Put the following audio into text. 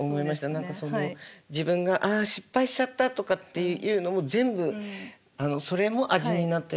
何かその自分が「あ失敗しちゃった」とかっていうのも全部それも味になったりとかするわけですもんね。